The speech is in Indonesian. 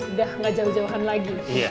udah gak jauh jauhan lagi